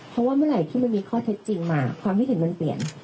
เพราะว่าเมื่อไหร่ที่มันมีข้อเท็จจริงมาความคิดเห็นมันเปลี่ยน